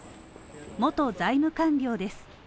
元財務官僚です。